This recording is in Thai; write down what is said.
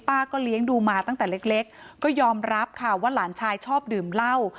เลี้ยงดูมาตั้งแต่เล็กก็ยอมรับค่ะว่าหลานชายชอบดื่มเหล้า